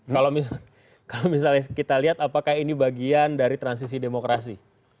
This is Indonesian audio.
kalau misalnya kita lihat apakah ini bagian dari transisi demokrasi